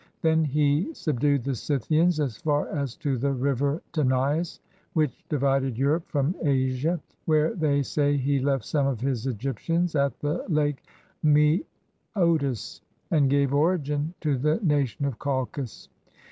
Then he subdued the Scythians as far as to the river Tanais, which divided Europe from Asia; where they say he left some of his Egyptians at the lake Moeotis, and gave origin to the nations of Colchis.